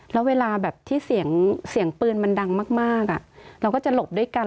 แล้วเวลาแบบที่เสียงปืนมันดังมากเราก็จะหลบด้วยกัน